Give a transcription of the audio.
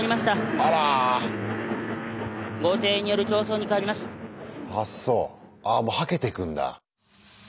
あっもうはけてくんだ。